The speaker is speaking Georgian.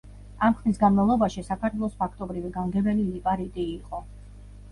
ამ ხნის განმავლობაში საქართველოს ფაქტობრივი გამგებელი ლიპარიტი იყო.